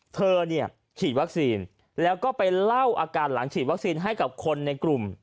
เธอเนี่ยฉีดวัคซีนแล้วก็ไปเล่าอาการหลังฉีดวัคซีนให้กับคนในกลุ่ม